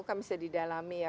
kan bisa didalami ya